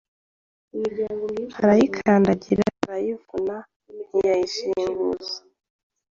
arayikandagira arayivuna ntiyayishinguza